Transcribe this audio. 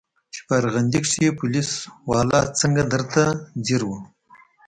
چې په ارغندې کښې پوليس والا څنګه درته ځير و.